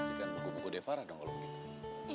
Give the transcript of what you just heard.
masih kan buku buku devarah dong kalau begitu